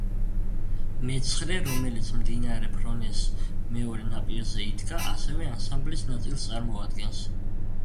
მეცხრე, რომელიც მდინარე ფრონეს მეორე ნაპირზე იდგა ასევე ანსამბლის ნაწილს წარმოადგენს.